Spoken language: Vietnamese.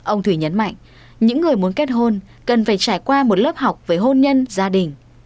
ông thủy nhấn mạnh những người muốn kết hôn cần phải trải qua một lớp học với hôn nhân gia đình